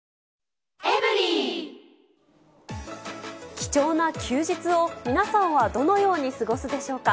貴重な休日を、皆さんはどのように過ごすでしょうか。